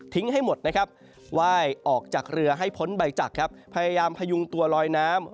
ให้หมดนะครับไหว้ออกจากเรือให้พ้นใบจักรครับพยายามพยุงตัวลอยน้ำ